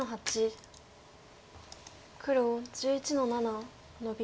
黒１１の七ノビ。